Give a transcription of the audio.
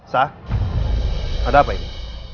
sah ada apa ini